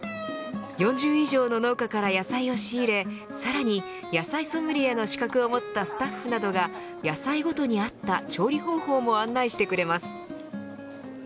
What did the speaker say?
４０以上の農家から野菜を仕入れ、さらに野菜ソムリエの資格を持ったスタッフなどが野菜ごとにあった調理方法も案内してくれます。